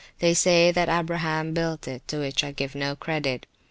They say that Abraham built it; to which I give no credit.